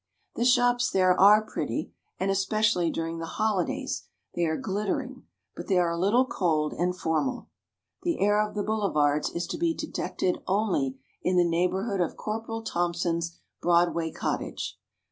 The shops there are pretty, and especially during the holidays they are glittering, but they are a little cold and formal. The air of the Boulevards is to be detected only in the neighborhood of Corporal Thompson's Broadway Cottage.